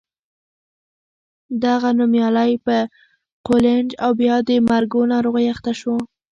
دغه نومیالی په قولنج او بیا د مرګو ناروغۍ اخته شو.